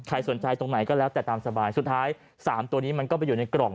สนใจตรงไหนก็แล้วแต่ตามสบายสุดท้ายสามตัวนี้มันก็ไปอยู่ในกล่อง